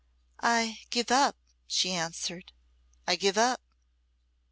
"I give up," she answered; "I give up."